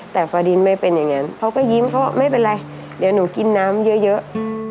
แต่ฟาดินไม่เป็นอย่างนั้นเขาก็ยิ้มเขาว่าไม่เป็นไรเดี๋ยวหนูกินน้ำเยอะ